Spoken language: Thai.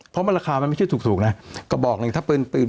เพราะมันราคามันไม่ใช่ถูกถูกนะก็บอกเลยถ้าปืนปืน